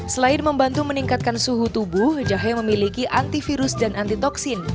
selain membantu meningkatkan suhu tubuh jahe memiliki antivirus dan antitoksin